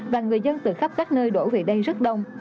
và người dân từ khắp các nơi đổ về đây rất đông